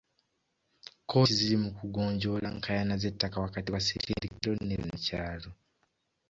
Kkooti ziri mu kugonjoola nkaayana z'ettaka wakati wa ssetendekero ne bannakyalo.